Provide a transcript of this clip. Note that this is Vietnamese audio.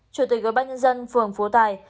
chủ tịch ubnd phường phú tài